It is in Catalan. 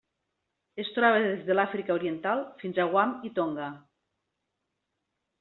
Es troba des de l'Àfrica Oriental fins a Guam i Tonga.